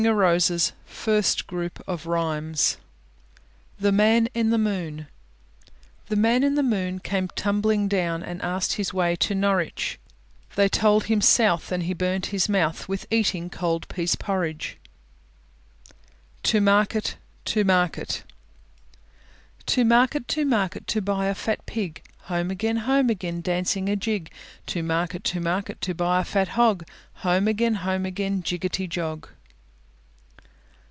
PRINTED IN GREAT BRITAIN THE MAN IN THE MOON The Man in the Moon Came tumbling down, And asked his way to Norwich; They told him south, And he burnt his mouth With eating cold pease porridge. TO MARKET, TO MARKET To market, to market, to buy a fat Pig; Home again, home again, dancing a jig. To market, to market, to buy a fat Hog; Home again, home again, jiggety jog.